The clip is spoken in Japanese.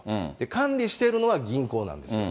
管理しているのは銀行なんですよ。